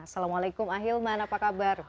assalamualaikum ahilman apa kabar